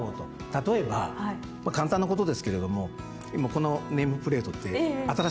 例えば簡単なことですけれどもこのネームプレートって新しく作ったんですね。